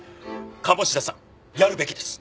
鴨志田さんやるべきです。